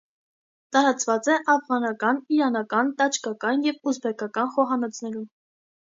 Տարածված է ավղանական, իրանական, տաջկական և ուզբեկական խոհանոցներում։